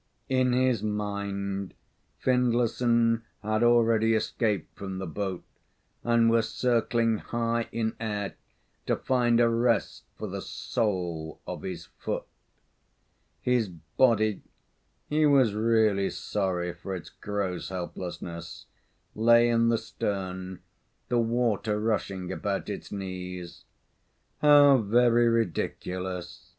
In his mind, Findlayson had already escaped from the boat, and was circling high in air to find a rest for the sole of his foot. His body he was really sorry for its gross helplessness lay in the stern, the water rushing about its knees. "How very ridiculous!"